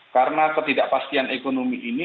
karena ketidakpastian ekonomi ini